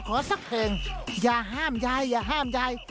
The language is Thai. ลูกล้านสนุกก็ขอซักเพลงอย่าห้ามยายอย่าห้ามยาย